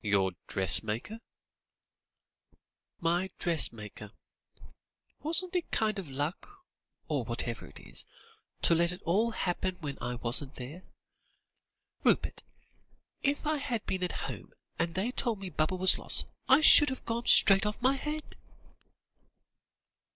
"Your dressmaker?" "My dressmaker. Wasn't it kind of luck, or whatever it is, to let it all happen when I wasn't there. Rupert, if I had been at home, and they told me Baba was lost, I should have gone straight off my head."